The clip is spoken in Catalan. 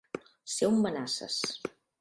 Ser un manasses.